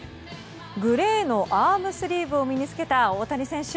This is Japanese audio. グレーのアームスリーブを身に付けた大谷選手。